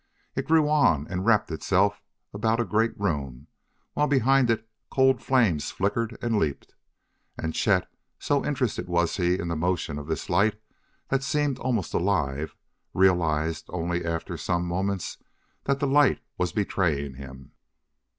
It grew on and wrapped itself about a great room, while, behind it, cold flames flickered and leaped. And Chet, so interested was he in the motion of this light that seemed almost alive, realized only after some moments that the light was betraying him.